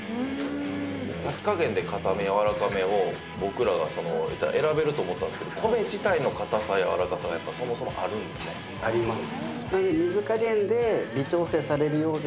炊き加減で硬めやわらかめを僕らが選べると思ったんですけど米自体の硬さやわらかさがそもそもあるんですね。あります。